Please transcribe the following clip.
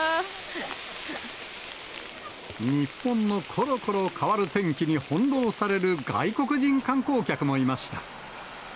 日本のころころ変わる天気に、翻弄される外国人観光客もいました。